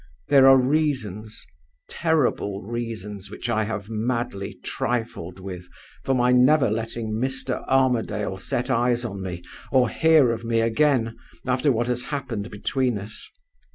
There are reasons terrible reasons, which I have madly trifled with for my never letting Mr. Armadale set eyes on me, or hear of me again, after what has happened between us.